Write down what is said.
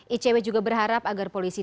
icw juga berharap agar polisi